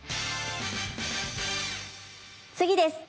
次です。